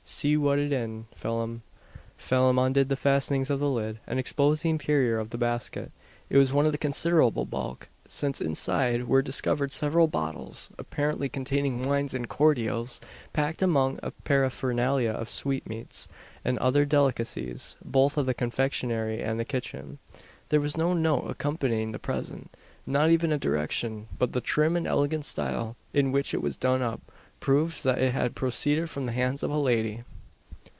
See what it in, Phelim." Phelim undid the fastenings of the lid, and exposed the interior of the basket. It was one of considerable bulk: since inside were discovered several bottles, apparently containing wines and cordials, packed among a paraphernalia of sweetmeats, and other delicacies both of the confectionery and the kitchen. There was no note accompanying the present not even a direction but the trim and elegant style in which it was done up, proved that it had proceeded from the hands of a lady.